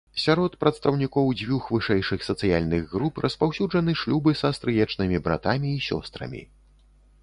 Сярод прадстаўнікоў дзвюх вышэйшых сацыяльных груп распаўсюджаны шлюбы са стрыечнымі братамі і сёстрамі.